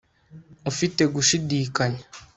ufite gushidikanya